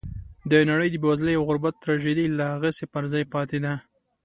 د نړۍ د بېوزلۍ او غربت تراژیدي لا هغسې پر ځای پاتې ده.